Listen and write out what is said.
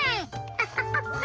アハハハ。